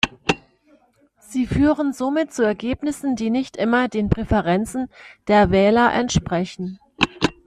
Sie führen somit zu Ergebnissen, die nicht immer den Präferenzen der Wähler entsprechen.